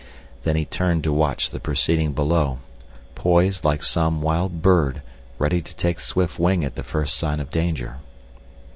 Then he turned to watch the proceeding below, poised like some wild bird ready to take swift wing at the first sign of danger.